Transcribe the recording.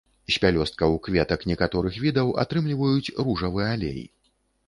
З пялёсткаў кветак некаторых відаў атрымліваюць ружавы алей.